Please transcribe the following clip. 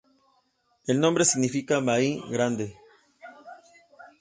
El nombre significa Bahía Grande.